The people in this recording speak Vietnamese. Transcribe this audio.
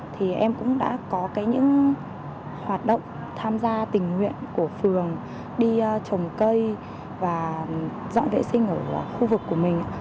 thì em cũng đã có những hoạt động tham gia tình nguyện của phường đi trồng cây và dọn vệ sinh ở khu vực của mình